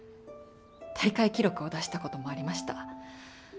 大会記録を出した事もありました。